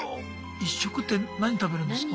一食って何食べるんですか？